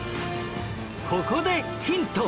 ここでヒント！